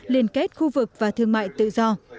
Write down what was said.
liên kết khu vực và thương mại tự do